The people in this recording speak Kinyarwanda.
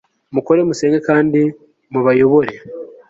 Mukore musenge kandi mubayobore